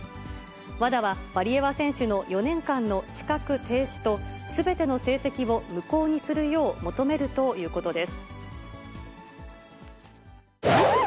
ＷＡＤＡはワリエワ選手の４年間の資格停止と、すべての成績を無効にするよう求めるということです。